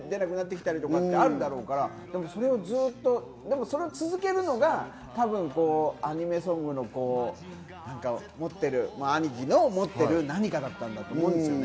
出なくなってきたりとかもあるから、でもそれをずっとそれを続けるのが多分、アニメソングの持ってる、アニキの持ってる何かだったんだと思うんですよね。